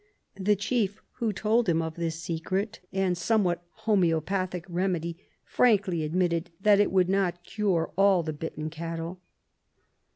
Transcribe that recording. The chief who told him of this secret and somewhat homoeopathic remedy frankly admitted that it would not cure all the bitten cattle.